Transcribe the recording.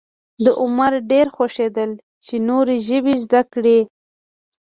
د عمر ډېر خوښېدل چې نورې ژبې زده کړي.